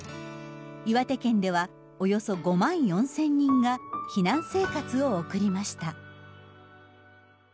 岩手県ではおよそ５万４，０００人が避難生活を送りました。